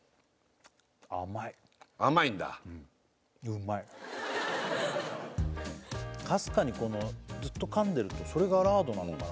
甘いんだかすかにずっとかんでるとそれがラードなのかな